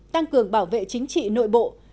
tăng cường bảo vệ chính trị nội bộ